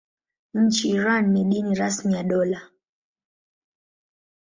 Nchini Iran ni dini rasmi ya dola.